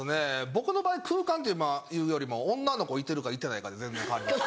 僕の場合空間というよりも女の子いてるかいてないかで全然変わります。